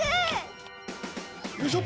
よいしょ！